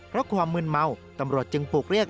เพราะความมืนเมาตำรวจจึงปลูกเรียก